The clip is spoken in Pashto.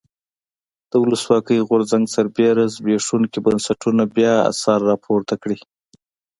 د ولسواکۍ غورځنګ سربېره زبېښونکي بنسټونه بیا سر راپورته کړي.